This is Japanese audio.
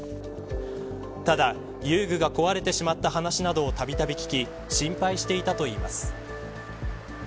ただ、遊具が壊れてしまった話などをたびたび聞き心配していたといいます。